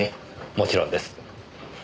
もちろんです。